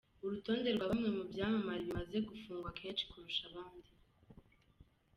Urutonde rwa bamwe mu byamamare bimaze gufungwa kenshi kurusha abandi: .